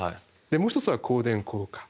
もう一つは光電効果。